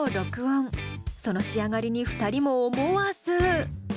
その仕上がりに２人も思わず。